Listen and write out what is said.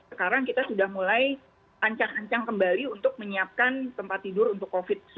sekarang kita sudah mulai ancang ancang kembali untuk menyiapkan tempat tidur untuk covid sembilan belas